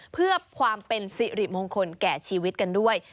เพื่อความเป็นสิริมงคลแก่ชีวิตกันด้วย